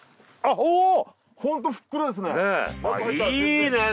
おホントふっくらですね。